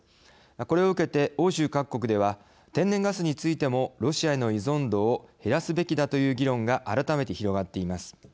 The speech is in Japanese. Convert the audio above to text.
これを受けて、欧州各国では天然ガスについてもロシアへの依存度を減らすべきだという議論が改めて広がっています。